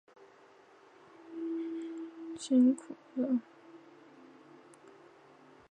可以升级成为四天。